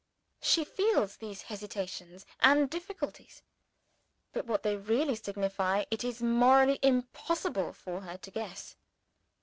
She feels these hesitations and difficulties. But what they really signify it is morally impossible for her to guess.